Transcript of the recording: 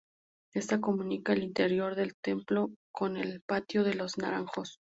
Esta comunica el interior del templo con el patio de los Naranjos.